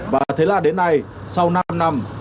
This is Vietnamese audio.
và thế là đến nay